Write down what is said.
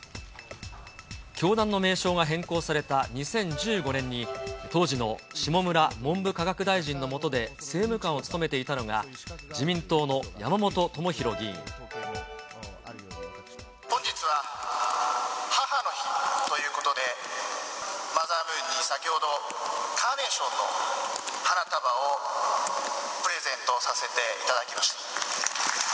教団の名称が変更された２０１５年に、当時の下村文部科学大臣の下で政務官を務めていたのが、自民党の本日は母の日ということで、マザームーンに先ほど、カーネーションの花束をプレゼントさせていただきました。